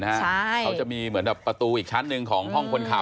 เขาจะมีเหมือนแบบประตูอีกชั้นหนึ่งของห้องคนขับ